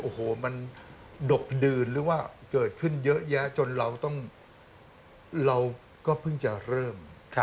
โอ้โหมันดกดื่นหรือว่าเกิดขึ้นเยอะแยะจนเราต้องเราก็เพิ่งจะเริ่ม